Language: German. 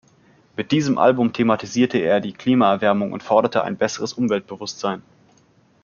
Mit diesem Album thematisierte er die Klimaerwärmung und forderte ein besseres Umweltbewusstsein.